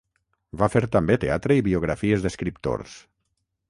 Va fer també teatre i biografies d'escriptors.